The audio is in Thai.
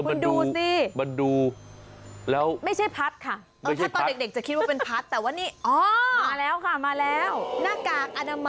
เออมันดูมันดูแล้วไม่ใช่พัดค่ะไม่ใช่พัดเออถ้าตอนเด็ก